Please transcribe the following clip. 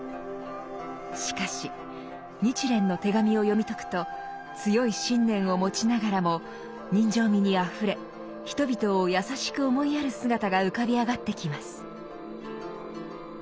しかし「日蓮の手紙」を読み解くと強い信念を持ちながらも人情味にあふれ人々を優しく思いやる姿が浮かび上がってきます。